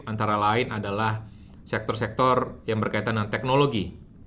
antara lain adalah sektor sektor yang berkaitan dengan teknologi